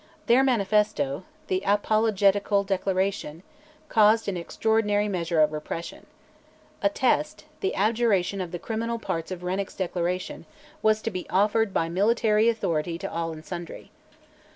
Their manifesto ("The Apologetical Declaration") caused an extraordinary measure of repression. A test the abjuration of the criminal parts of Renwick's declaration was to be offered by military authority to all and sundry.